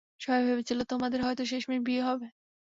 সবাই ভেবেছিল, তোমাদের হয়তো শেষমেশ বিয়ে হবে।